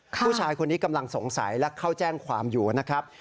ผู้ชายคนนี้กำลังสงสัยและเข้าแจ้งความอยู่นะครับ